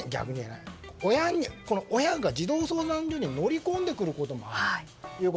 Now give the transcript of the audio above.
親が児童相談所に乗り込んでくることもあると。